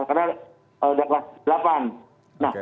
karena udah kelas delapan